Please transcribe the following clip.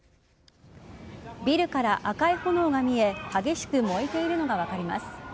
ビルから赤い炎が見え激しく燃えているのが分かります。